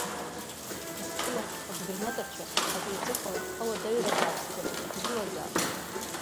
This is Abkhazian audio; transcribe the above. Қырҭтәыла агәбернаторцәа абри аҵыхәала ауадаҩра бааԥсӡа иҭагылазаап.